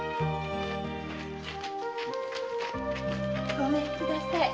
ごめんください。